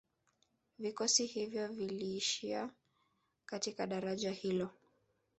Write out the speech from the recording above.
Vikosi hivyo viliishia katika daraja hilo